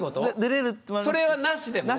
それはなしでも？